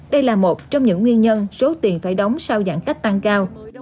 đây là một trong những nguyên nhân số tiền phải đóng sau giãn cách tăng cao